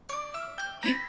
えっ。